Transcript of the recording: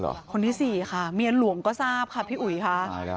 ปืนที่๔ค่ะก็ทราบค่ะพี่อุ๋ยค่ะ